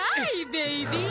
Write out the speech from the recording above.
ベイビー！